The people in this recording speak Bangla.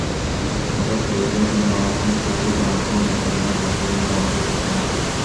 অর্থাৎ পৌরসভা হিসেবে ময়মনসিংহ, শেরপুর, জামালপুর, নেত্রকোনার যাত্রাটি মোটামুটি একই সময়।